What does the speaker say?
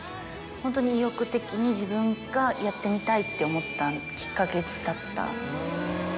ホントに意欲的に自分がやってみたいって思ったきっかけだったんですね。